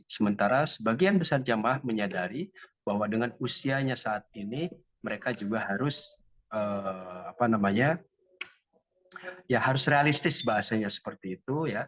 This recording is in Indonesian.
sementara sebagian besar jamaah menyadari bahwa dengan usianya saat ini mereka juga harus realistis bahasanya seperti itu